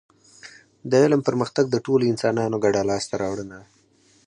د علم پرمختګ د ټولو انسانانو ګډه لاسته راوړنه ده